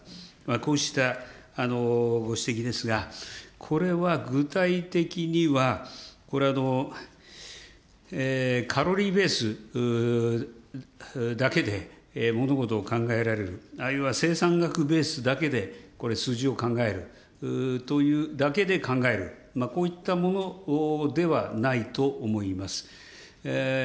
こうしたご指摘ですが、これは具体的には、これ、カロリーベースだけで物事を考えられる、あるいは生産額ベースだけで、これ、数字を考えるというだけで考える、こういったものではないと思います。